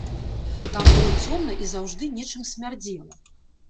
Там было цёмна і заўжды нечым смярдзела.